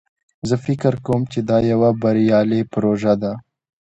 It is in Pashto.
زه فکر کوم چې دا یوه بریالی پروژه ده